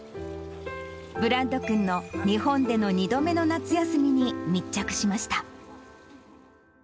ブラッド君の日本での２度目の夏休みに密着しました。